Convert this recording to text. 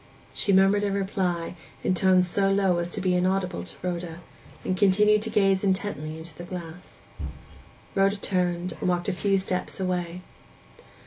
She murmured a reply, in tones so low as to be inaudible to Rhoda, and continued to gaze intently into the glass. Rhoda turned, and walked a few steps away.